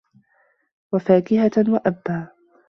وَفاكِهَةً وَأَبًّا